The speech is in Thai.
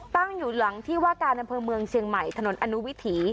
ตั้งอยู่หลังที่ว่าการอำเภอเมืองเชียงใหม่ถนนอนุวิถี